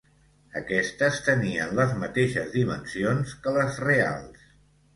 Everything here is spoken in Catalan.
Aquestes tenien les mateixes dimensions que les reals.